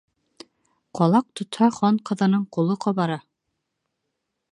Ҡалаҡ тотһа, хан ҡыҙының ҡулы ҡабара.